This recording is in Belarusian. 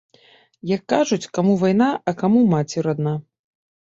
Як кажуць, каму вайна, а каму маці радна.